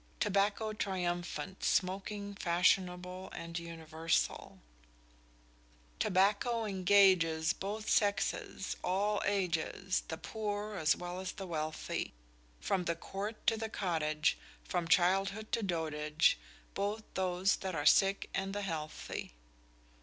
II TOBACCO TRIUMPHANT: SMOKING FASHIONABLE AND UNIVERSAL Tobacco engages Both sexes, all ages, The poor as well as the wealthy; From the court to the cottage, From childhood to dotage, Both those that are sick and the healthy.